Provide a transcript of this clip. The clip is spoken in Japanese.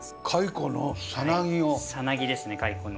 さなぎですね蚕の。